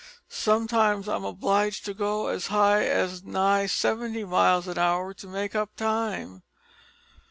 Sometimes I'm obleeged to go as high as nigh seventy miles an hour to make up time."